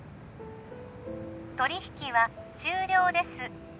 取引は終了です